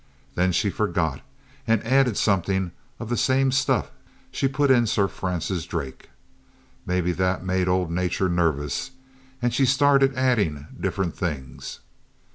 Then she forgot and added something of the same stuff she put in Sir Francis Drake. Maybe that made Old Nature nervous, and she started adding different things.